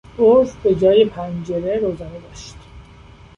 برج بهجای پنجره روزنه داشت.